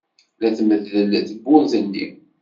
La tmeddel tewwurt-nni.